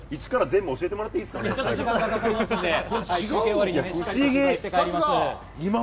一から全部でも教えてもらっていいですかね。